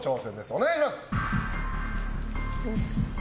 お願いします。